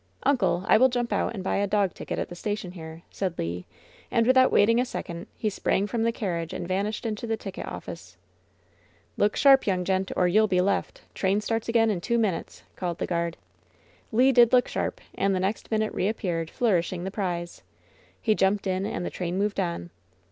"Uncle, I will jump out and buy a dog ticket at the station here," said Le ; and without waiting a second he sprang from the carriage and vanished into the ticket oflSce, "Look sharp, young gent, or you'll be left. Train starts again in two minutes," called the guard. Le did look sharp, and the next minute reappeared, flourishing the prize. He jumped in, and the train moved on.